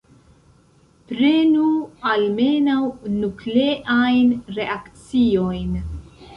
Prenu almenaŭ nukleajn reakciojn.